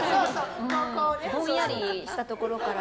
ぼんやりしたところから。